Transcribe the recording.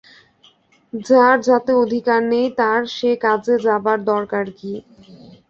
যার যাতে অধিকার নেই তার সে কাজে যাবার দরকার কী!